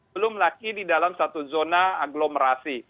belum lagi di dalam satu zona aglomerasi